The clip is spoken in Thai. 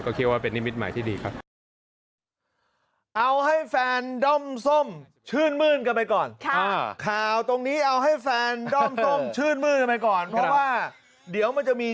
ก็คิดว่าเป็นนิมิตหมายที่ดีครับ